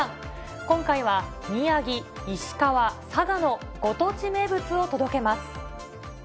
今回は、宮城、石川、佐賀のご当地名物を届けます。